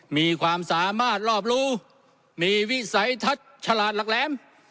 มีความสามารถรอบรู้มีวิสัยทัศน์ฉลาดหลักแหลม